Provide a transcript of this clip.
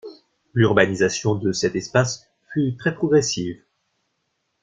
L’urbanisation de cet espace fut très progressive.